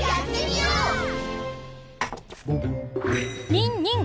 にんにん！